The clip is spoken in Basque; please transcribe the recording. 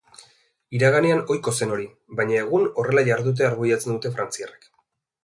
Iraganean ohiko zen hori, baina egun horrela jardutea arbuiatzen dute frantziarrek.